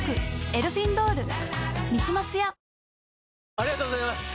ありがとうございます！